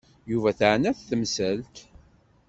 Yuba teɛna-t temsalt.